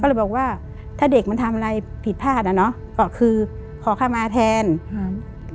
ก็เลยบอกว่าถ้าเด็กมันทำอะไรผิดพลาดอ่ะเนอะก็คือขอเข้ามาแทนอืม